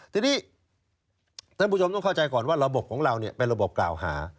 ทีนี้ท่านผู้ชมต้องเข้าใจก่อนว่าระบบของเราเป็นระบบกล่าวหา